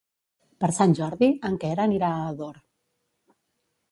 Per Sant Jordi en Quer anirà a Ador.